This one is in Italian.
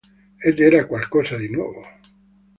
Ed era qualcosa di nuovo!".